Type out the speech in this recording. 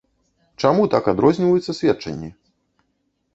Чаму так адрозніваюцца сведчанні?